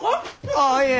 ああいえ。